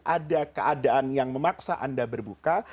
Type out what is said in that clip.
ada keadaan yang memaksa anda berbuka